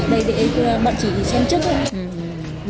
đây để bọn chị xem trước thôi